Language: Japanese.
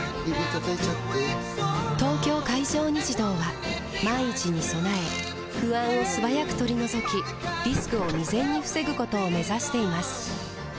指たたいちゃって・・・「東京海上日動」は万一に備え不安を素早く取り除きリスクを未然に防ぐことを目指しています